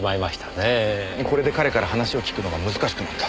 これで彼から話を聞くのが難しくなった。